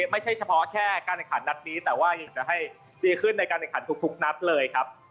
ไม่ใช่เฉพาะแค่การแข่งขันนัดนี้แต่ว่ายังจะให้ดีขึ้นในการแข่งขันทุกนัดเลยครับ